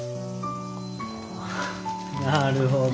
ああなるほど。